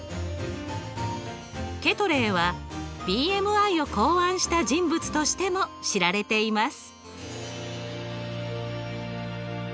ケトレーはＢＭＩを考案した人物としても知られています。